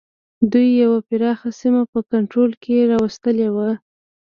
دوی یوه پراخه سیمه په کنټرول کې را وستلې وه.